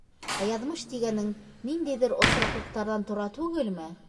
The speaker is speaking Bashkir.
Ә яҙмыш тигәнең ниндәйҙер осраҡлыҡтарҙан тора түгелме?